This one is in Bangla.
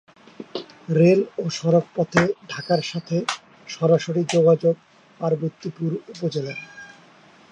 রেল ও সড়ক পথে ঢাকার সাথে সরাসরি যোগাযোগ পার্বতীপুর উপজেলার।